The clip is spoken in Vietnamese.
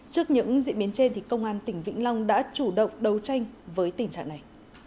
trước những diễn biến trên công an tỉnh vĩnh long đã chủ động đấu tranh với tình trạng này